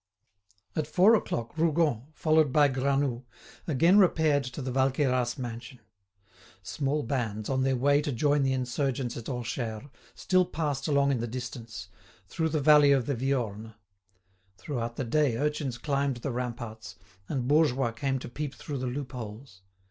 At four o'clock Rougon, followed by Granoux, again repaired to the Valqueyras mansion. Small bands, on their way to join the insurgents at Orcheres, still passed along in the distance, through the valley of the Viorne. Throughout the day urchins climbed the ramparts, and bourgeois came to peep through the loopholes.